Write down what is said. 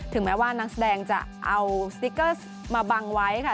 แม้ว่านักแสดงจะเอาสติ๊กเกอร์มาบังไว้ค่ะ